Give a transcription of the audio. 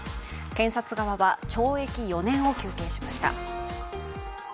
検察側は懲役４年を求刑しました。